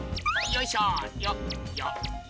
よいしょ！